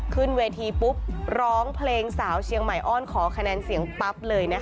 ขึ้นเวทีปุ๊บร้องเพลงสาวเชียงใหม่อ้อนขอคะแนนเสียงปั๊บเลยนะคะ